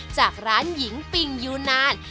จากร้านหญิงปิงยูนาน